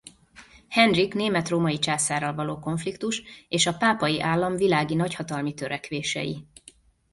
Henrik német-római császárral való konfliktus és a Pápai Állam világi nagyhatalmi törekvései.